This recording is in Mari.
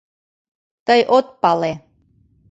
Тый от пале.